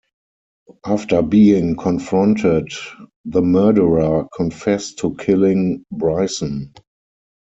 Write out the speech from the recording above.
After being confronted, the murderer confessed to killing Bryson.